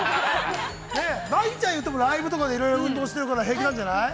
ナギちゃん、いってもライブとかでいろいろ運動してるから平気なんじゃない？